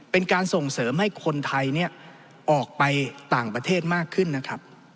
เป็นการส่งเสริมให้คนไทยออกไปต่างประเทศมากขึ้นนะครับ